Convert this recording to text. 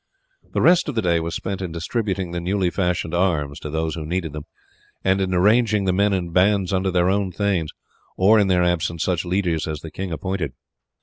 The rest of the day was spent in distributing the newly fashioned arms to those who needed them, and in arranging the men in bands under their own thanes, or, in their absence, such leaders as the king appointed.